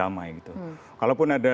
dan mereka juga mencari keamanan yang damai